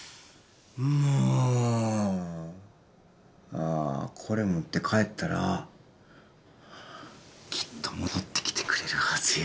ああこれ持って帰ったらきっと戻ってきてくれるはずや。